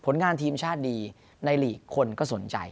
งานทีมชาติดีในหลีกคนก็สนใจ